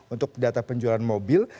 untuk data penjualan mobil